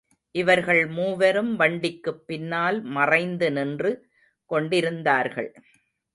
இவர்கள் மூவரும் வண்டிக்குப் பின்னால் மறைந்து நின்று கொண்டிருந்தார்கள்.